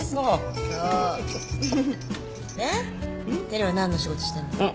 テルは何の仕事してんの？